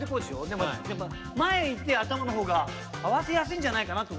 でも前いって頭のほうが合わせやすいんじゃないかなと。